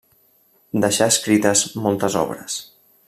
Deixà escrites moltes obres.